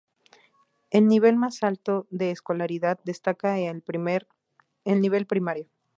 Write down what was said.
El nivel más alto de escolaridad destaca el nivel primario.